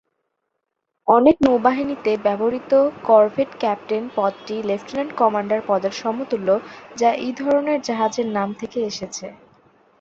অনেক নৌবাহিনীতে ব্যবহৃত কর্ভেট ক্যাপ্টেন পদটি লেফটেন্যান্ট কমান্ডার পদের সমতুল্য যা এই ধরনের জাহাজের নাম থেকে এসেছে।